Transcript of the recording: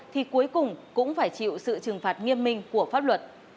thì cuối cùng cũng phải chịu sự trừng phạt nghiêm minh của pháp luật